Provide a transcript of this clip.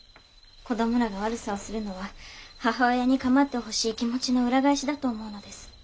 子供らが悪さをするのは母親にかまってほしい気持ちの裏返しだと思うのです。